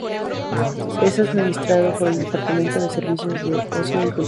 Es administrado por el Departamento de Servicios de Ocio y Cultura.